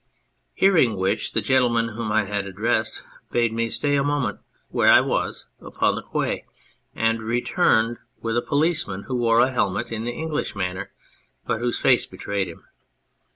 Hearing which, the gentle man whom I had addressed bade me stay a moment where I was, upon the quay, and returned with a policeman who wore a helmet in the English manner, but whose face betrayed him.